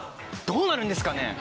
どうなるんですかね